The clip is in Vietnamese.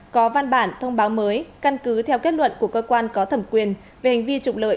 có văn bản thông báo mới căn cứ theo kết luận của cơ quan có thẩm quyền về hành vi trục lợi